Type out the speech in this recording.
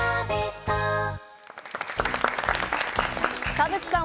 田渕さん